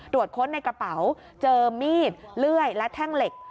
ค้นในกระเป๋าเจอมีดเลื่อยและแท่งเหล็ก